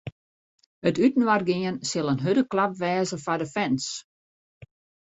It útinoargean sil in hurde klap wêze foar de fans.